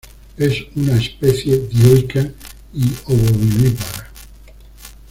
Es una especie dioica y ovovivípara.